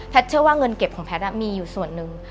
เชื่อว่าเงินเก็บของแพทย์มีอยู่ส่วนหนึ่ง